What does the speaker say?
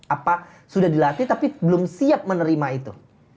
apa sudah dilatih tapi belum siap menerima itu